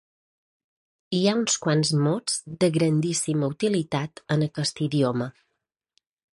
Hi ha uns quants mots de grandíssima utilitat en aquest idioma.